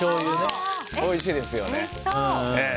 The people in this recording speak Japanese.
おいしいですよね。